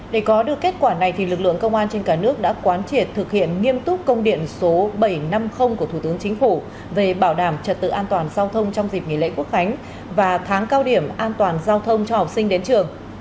để có được kết quả này lực lượng công an trên cả nước đã quán triệt thực hiện nghiêm túc công điện số bảy trăm năm mươi của thủ tướng chính phủ về bảo đảm trật tự an toàn giao thông trong dịp nghỉ lễ quốc khánh và tháng cao điểm an toàn giao thông cho học sinh đến trường